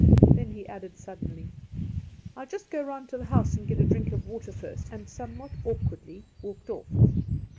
Then he added suddenly, "I'll just go round to the house and get a drink of water first;" and somewhat awkwardly walked off.